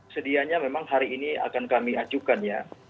sedianya memang hari ini akan kami ajukan ya